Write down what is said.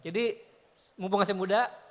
jadi mumpung asli muda